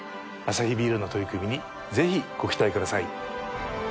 アサヒビールの取り組みにぜひご期待ください。